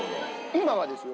今はですよ。